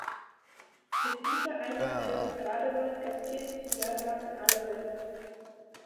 Mit dieser einer ihrer Paraderollen gastierte sie jahrelang in aller Welt.